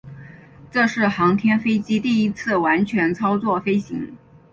这是航天飞机第一次完全操作飞行。